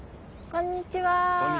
こんにちは。